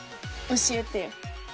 教えてよ。